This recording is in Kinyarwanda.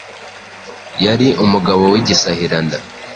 yari umugabo w' igisahiranda